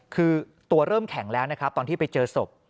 คือตัวเริ่มแข็งแล้วนะครับตอนที่ไปเจอศพ